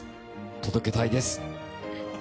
届けたいです！